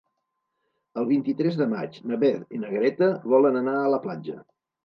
El vint-i-tres de maig na Beth i na Greta volen anar a la platja.